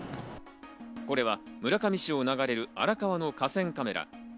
これは村上市を流れる荒川の河川カメラ。